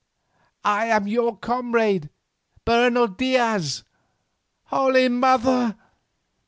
I am your comrade, Bernal Diaz. Holy Mother!